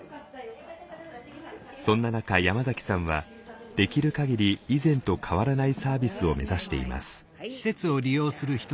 そんな中山崎さんはできる限り以前と変わらないサービスを目指しています。